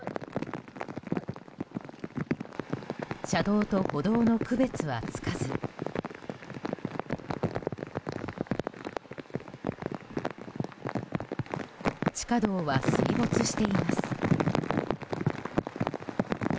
車道と歩道の区別はつかず地下道は水没しています。